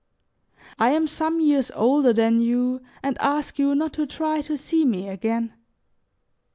"I am some years older than you and ask you not to try to see me again.